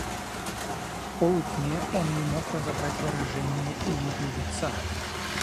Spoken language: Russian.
В полутьме он не мог разобрать выражение ее лица.